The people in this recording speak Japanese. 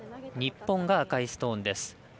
日本が赤いストーンです。